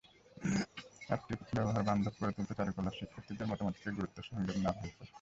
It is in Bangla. অ্যাপটি ব্যবহার-বান্ধব করে তুলতে চারুকলার শিক্ষার্থীদের মতামতকে গুরুত্বের সঙ্গে নেওয়া হয়েছে।